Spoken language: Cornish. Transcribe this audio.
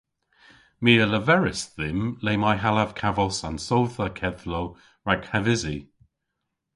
My a leveris dhymm le may hallav kavos an sodhva kedhlow rag havysi.